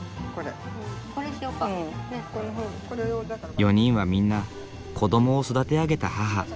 ４人はみんな子どもを育て上げた母。